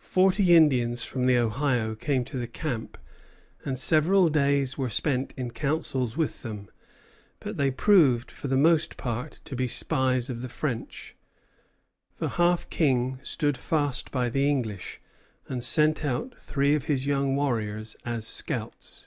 Forty Indians from the Ohio came to the camp, and several days were spent in councils with them; but they proved for the most part to be spies of the French. The Half King stood fast by the English, and sent out three of his young warriors as scouts.